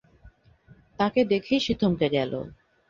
তাঁকে দেখেই সে থমকে গেল।